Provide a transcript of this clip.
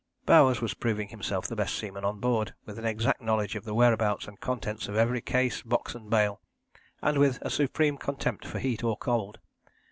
Bowers was proving himself the best seaman on board, with an exact knowledge of the whereabouts and contents of every case, box and bale, and with a supreme contempt for heat or cold.